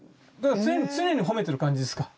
常に褒めている感じですか？